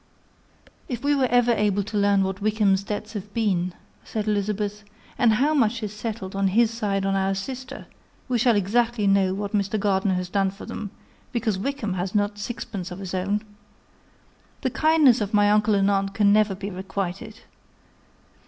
"If we are ever able to learn what Wickham's debts have been," said Elizabeth, "and how much is settled on his side on our sister, we shall exactly know what Mr. Gardiner has done for them, because Wickham has not sixpence of his own. The kindness of my uncle and aunt can never be requited.